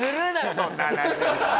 そんな話。